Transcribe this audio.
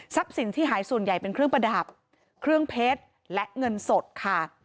สินที่หายส่วนใหญ่เป็นเครื่องประดับเครื่องเพชรและเงินสดค่ะ